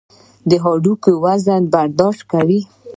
هډوکي وزن برداشت کوي.